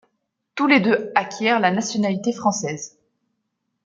Tous les deux acquièrent la nationalité française.